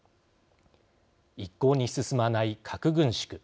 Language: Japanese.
一向に進まない核軍縮。